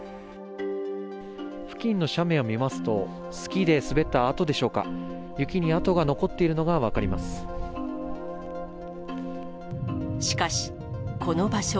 付近の斜面を見ますと、スキーで滑った跡でしょうか、雪に跡が残っているのが分かりましかし、この場所。